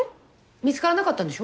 見つからなかったんでしょ？